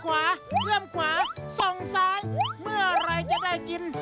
ขวาเริ่มขวาส่งซ้ายเมื่ออะไรจะได้กิน